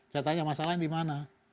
saya tanya masalahnya di mana